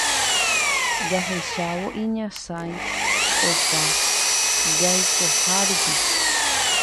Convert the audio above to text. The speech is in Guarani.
Jahechávo iñasãi opa jaikoha rupi